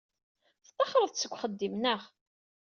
Tettaxred-d seg uxeddim, naɣ?